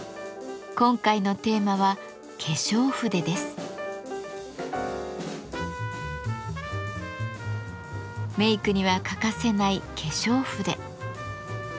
今回のテーマはメイクには欠かせない化粧筆。